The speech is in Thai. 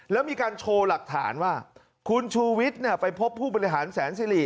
แล้วมีการโชว์หลักฐานว่าคุณชูวิทย์ไปพบผู้บริหารแสนสิริ